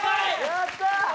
やったー！